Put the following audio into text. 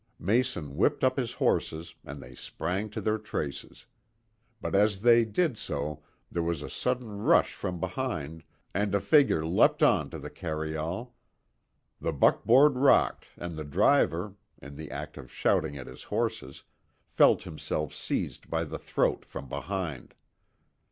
Mason whipped up his horses, and they sprang to their traces. But as they did so there was a sudden rush from behind, and a figure leapt on to the carryall. The buckboard rocked and the driver, in the act of shouting at his horses, felt himself seized by the throat from behind.